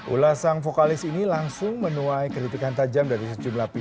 ulasan vokalis ini langsung menuai kritikan tajam dari sejumlah pihak